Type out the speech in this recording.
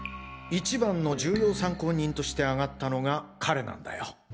一番の重要参考人として挙がったのが彼なんだよ。